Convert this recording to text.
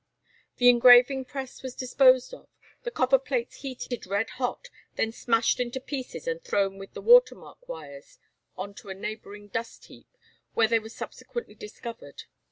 The engraving press was disposed of; the copper plates heated red hot, then smashed into pieces and thrown with the water mark wires on to a neighbouring dust heap, where they were subsequently discovered.